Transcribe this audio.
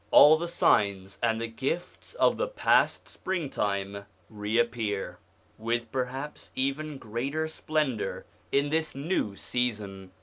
All the signs and the gifts of the past springtime re appear, with perhaps even greater splendour in this new season.